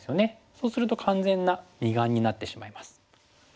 そうすると完全な二眼になってしまいます。